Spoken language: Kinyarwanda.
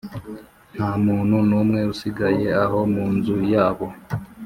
Nta muntu numwe usigaye aho mu nzu yabo